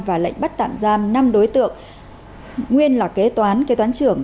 và lệnh bắt tạm giam năm đối tượng nguyên là kế toán kế toán trưởng